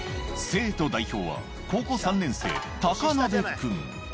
生徒代表は、高校３年生、高鍋君。